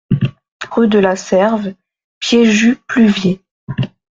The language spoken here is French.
Rue de la Serve, Piégut-Pluviers